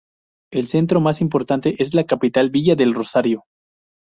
El centro más importante es la capital, Villa del Rosario.